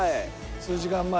数時間前。